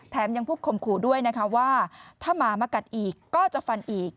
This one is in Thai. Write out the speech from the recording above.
แถมยังพุกขมขู่ด้วยว่าถ้าหมามากัดอีกก็จะฟันอีก